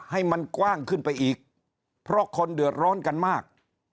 ให้มันกว้างขึ้นไปอีกเพราะคนเดือดร้อนกันมาก